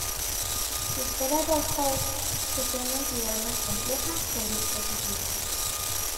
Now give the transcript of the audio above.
Se espera del "host" que sea una entidad más compleja que el dispositivo.